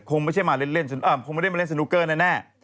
คงไม่ได้มาเล่นสนุกเกอร์แน่